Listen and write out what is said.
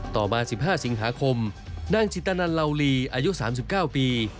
ต่อมา๑๕สิงหาคมนางจิตนันเหล่าลีอายุ๓๙ปี